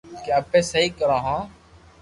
ڪي اپي سھي ڪرو ھون